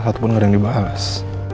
satupun gak ada yang dibahas